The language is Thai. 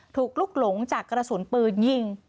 ถูกลุกหลงจากกระสุนปืนยิง